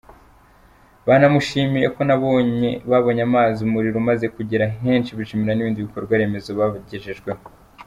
Banamushimiye ko babonye amazi, umuriro umaze kugera henshi, bishimira n’ibindi bikorwa remezo bagejejweho.